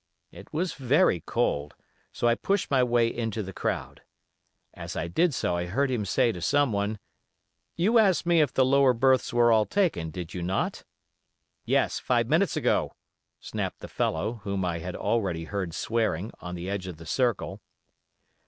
It was very cold, so I pushed my way into the crowd. As I did so I heard him say to someone: 'You asked me if the lower berths were all taken, did you not?' 'Yes, five minutes ago!' snapped the fellow, whom I had already heard swearing, on the edge of the circle.